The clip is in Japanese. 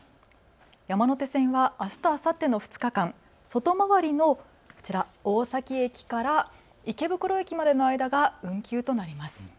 山手線はあすとあさっての２日間、外回りのこちら、大崎駅から池袋駅までの間が運休となります。